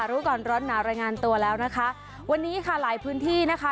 รู้ก่อนร้อนหนาวรายงานตัวแล้วนะคะวันนี้ค่ะหลายพื้นที่นะคะ